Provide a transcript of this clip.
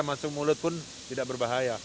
masuk mulut pun tidak berbahaya